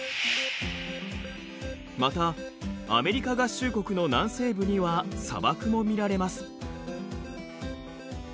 またアメリカ合衆国の南西部には砂漠も見られます。